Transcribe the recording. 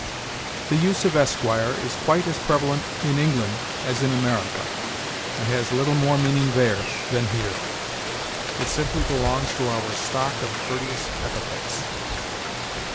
The use of Esq. is quite as prevalent in England as in America, and has little more meaning there than here. It simply belongs to our stock of courteous epithets.